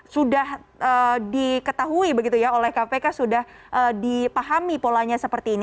sudah diketahui begitu ya oleh kpk sudah dipahami polanya seperti ini